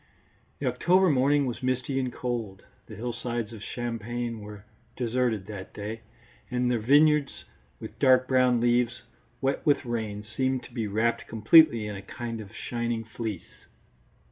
The October morning was misty and cold. The hillsides of Champagne were deserted that day, and their vineyards with dark brown leaves, wet with rain, seemed to be wrapped completely in a kind of shining fleece.